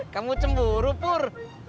kamu cemburu pur